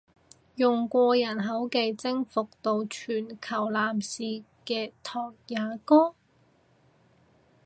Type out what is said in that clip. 用過人口技征服到全球男士嘅拓也哥！？